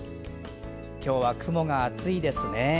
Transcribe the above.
今日は雲が厚いですね。